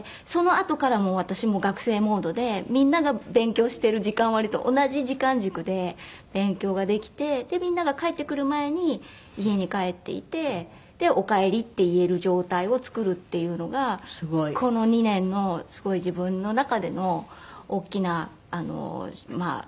そのあとから私も学生モードでみんなが勉強してる時間割と同じ時間軸で勉強ができてでみんなが帰ってくる前に家に帰っていておかえりって言える状態を作るっていうのがこの２年のすごい自分の中での大きなサイクルだったので。